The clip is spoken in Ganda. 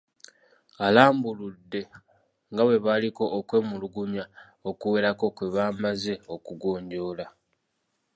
Alambuludde nga bwe baliko okwemulugunya okuwerako kwe baamaze okugonjoola.